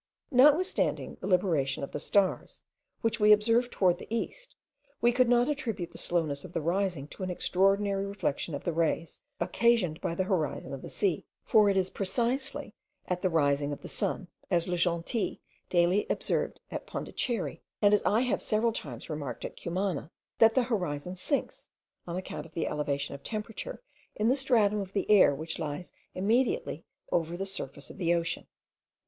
Notwithstanding the libration of the stars,* which we had observed towards the east, we could not attribute the slowness of the rising to an extraordinary refraction of the rays occasioned by the horizon of the sea; for it is precisely at the rising of the sun, as Le Gentil daily observed at Pondicherry, and as I have several times remarked at Cumana, that the horizon sinks, on account of the elevation of temperature in the stratum of the air which lies immediately over the surface of the ocean.